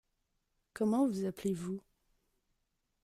Comment vous appelez-vous ?